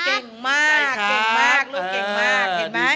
เก่งมากลูกเก่งมาก